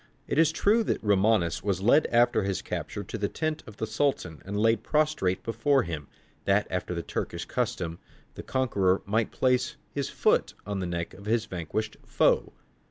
It is true that Romanus was led after his capture to the tent of the Sultan, and laid prostrate before him, that, after the Turkish custom, the conqueror might place his foot on the neck of his vanquished foe.